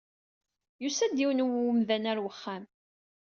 Yusa-d yiwen n umdan ɣer uxxam.